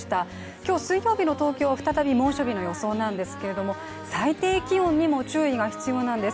今日、水曜日の東京は再び猛暑日の予想ですが最低気温にも注意が必要なんです。